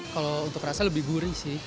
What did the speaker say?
kalau untuk rasa lebih gurih sih